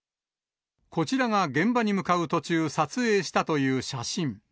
こちらが現場に向かう途中、撮影したという写真。